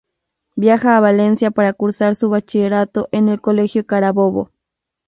Viaja a Valencia para cursar su bachillerato en el colegio Carabobo.